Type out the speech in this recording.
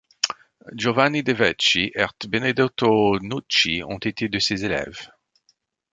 Giovanni De Vecchi ert Benedetto Nucci ont été de ses élèves.